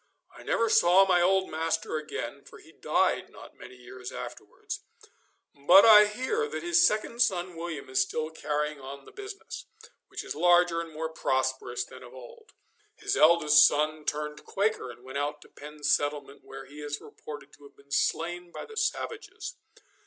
I never saw my old master again, for he died not many years afterwards; but I hear that his second son William is still carrying on the business, which is larger and more prosperous than of old. His eldest son turned Quaker and went out to Penn's settlement, where he is reported to have been slain by the savages.